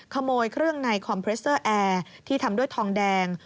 ขโมยเครื่องในคอมเพรสเตอร์แอร์ที่ทำด้วยทองแดง